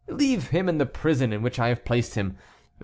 Leave him in the prison in which I have placed him.